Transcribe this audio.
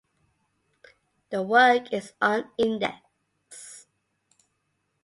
The work is on index.